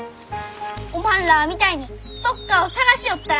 おまんらあみたいにどっかを探しよったら。